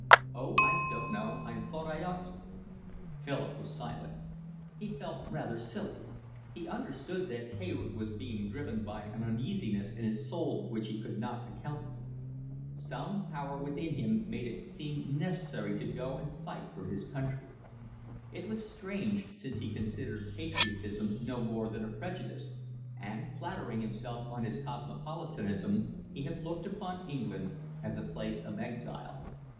"Oh, I don't know, I thought I ought to." Philip was silent. He felt rather silly. He understood that Hayward was being driven by an uneasiness in his soul which he could not account for. Some power within him made it seem necessary to go and fight for his country. It was strange, since he considered patriotism no more than a prejudice, and, flattering himself on his cosmopolitanism, he had looked upon England as a place of exile.